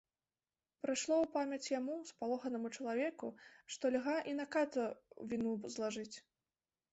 Прыйшло у памяць яму, спалоханаму чалавеку, што льга і на ката віну злажыць.